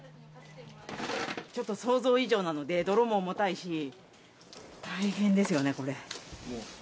ちょっと想像以上なので、泥も重たいし、大変ですよね、これ。